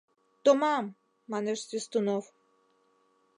— Томам! — манеш Свистунов.